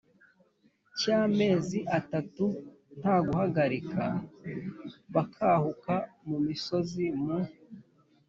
cy'amezi atatu nta guhagarika bakahuka mu misozi, mu